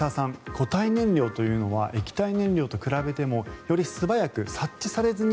固体燃料というのは液体燃料と比べてもより素早く察知されずに